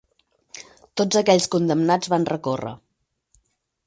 Tots aquells condemnats van recórrer.